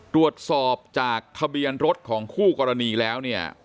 ตรวจสอบจากทะเบียนรถของคู่กรณีแล้วเนี่ย